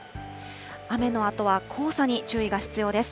雨のあとは黄砂に注意が必要です。